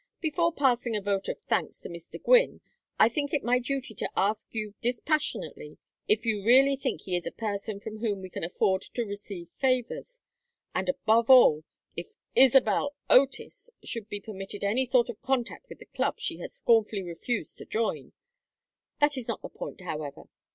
"Before passing a vote of thanks to Mr. Gwynne I think it my duty to ask you dispassionately if you really think he is a person from whom we can afford to receive favors. And above all, if Isabel Otis should be permitted any sort of contact with the Club she has scornfully refused to join. That is not the point, however.